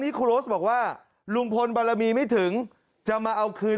ครูโรสบอกว่าลุงพลบารมีไม่ถึงจะมาเอาคืน